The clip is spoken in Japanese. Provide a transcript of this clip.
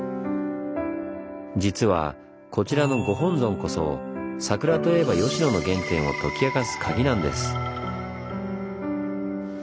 実はこちらのご本尊こそ「桜といえば吉野」の原点を解き明かすカギなんです。